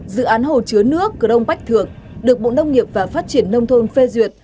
dự án hồ chứa nước crong bách thượng được bộ nông nghiệp và phát triển nông thôn phê duyệt